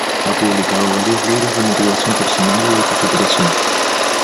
Ha publicado varios libros de motivación personal y auto superación.